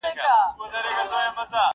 اوس ماشومان وینم له پلاره سره لوبي کوي٫